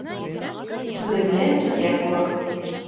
Түҙемле түҙгәк булыр.